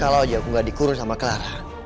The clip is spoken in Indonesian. kalau aja aku gak dikurung sama kelaran